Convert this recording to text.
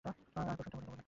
আর প্রসাদটা!